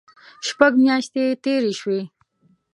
شپږ میاشتې تېرې شوې.